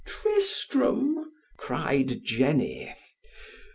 Tristram!_ cried _Jenny.